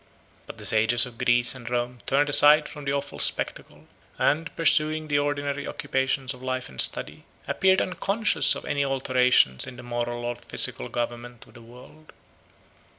But the sages of Greece and Rome turned aside from the awful spectacle, and, pursuing the ordinary occupations of life and study, appeared unconscious of any alterations in the moral or physical government of the world.